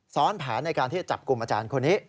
ซ้อนแผนในการที่จะจับกลุ่มอาจารย์คนนี้